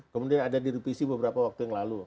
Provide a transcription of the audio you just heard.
kemudian ada di rpc beberapa waktu yang lalu